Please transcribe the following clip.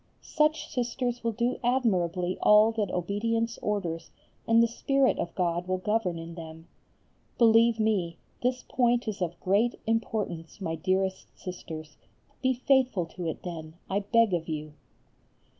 Such sisters will do admirably all that obedience orders and the spirit of God will govern in them. Believe me, this point is of great importance, my dearest Sisters. Be faithful to it, then, I beg of you.